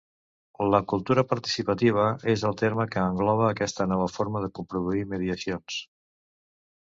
La cultura participativa és el terme que engloba aquesta nova forma de coproduir mediacions.